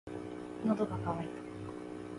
喉が渇いた。